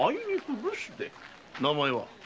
名前は？